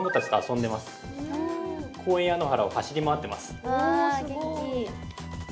公園や野原を走り回ってます。